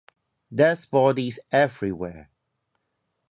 There's bodies everywhere.